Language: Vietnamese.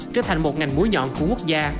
trở thành một ngành múa nhọn của quốc gia